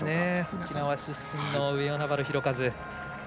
沖縄出身の上与那原寛和。